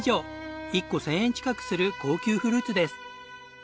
１個１０００円近くする高級フルーツです。